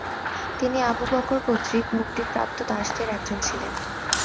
তিনি Abu Bakr কর্তৃক মুক্তিপ্রাপ্ত দাসদের একজন ছিলেন।